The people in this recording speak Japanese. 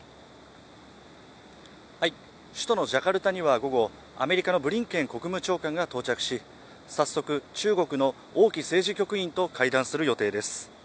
首都のジャカルタには午後、アメリカのブリンケン国務長官が到着し早速、中国の王毅政治局員と会談する予定です。